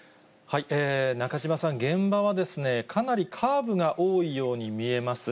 中島さん、現場はかなりカーブが多いように見えます。